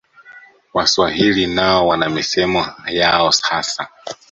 Waswahili nao wana misemo yao hasa